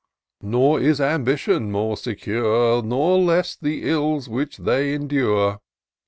" Nor is Ambition more secure. Nor less the ills which they endure.